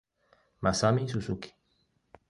Masami Suzuki